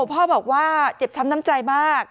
พ่อบอกว่าเจ็บช้ำน้ำใจมาก